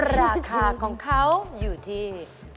ราคาของเขาอยู่ที่